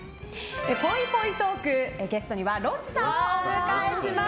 ぽいぽいトーク、ゲストにはロッチさんをお迎えします。